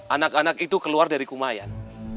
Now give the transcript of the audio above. anak anak itu keluar dari kumayan